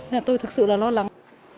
nên là tôi thực sự là lo lắng